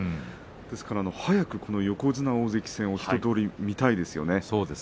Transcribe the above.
ですから早く横綱大関戦を一とおり見たいですよね。